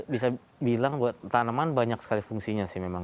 bisa bilang buat tanaman banyak sekali fungsinya sih memang